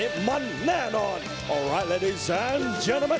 ยุทธพรสุทธวรรดิ์จันรายความ